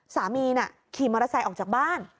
สามีน่ะขี่มอเตอร์ไซค์ออกจากบ้าน